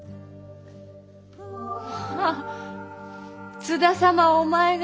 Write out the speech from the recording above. まあ津田様をお前が？